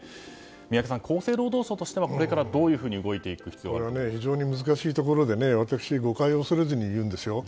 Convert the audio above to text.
宮家さん、厚生労働省としてはこれからどういうふうに非常に難しいところで私、誤解を恐れずに言うんですよ。